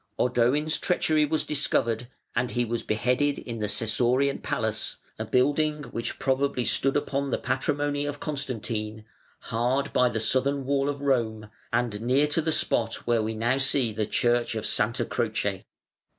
Odoin's treachery was discovered and he was beheaded in the Sessorian palace, a building which probably stood upon the patrimony of Constantine, hard by the southern wall of Rome, and near to the spot where we now see the Church of Santa Croce.